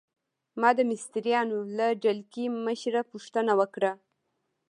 ما د مستریانو له ډلګۍ مشره پوښتنه وکړه.